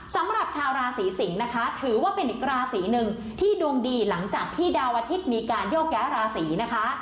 สำหรับชาวราศีสิงศ์นะคะถือว่าเป็นอีกราศีหนึ่งที่ดวงดีหลังจากที่ดาวอาทิตย์มีการโยกย้ายราศีนะคะ